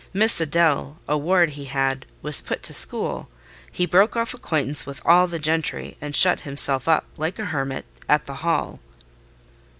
Miss Adèle, a ward he had, was put to school. He broke off acquaintance with all the gentry, and shut himself up like a hermit at the Hall."